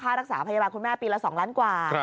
รักษาพยาบาลคุณแม่ปีละ๒ล้านกว่า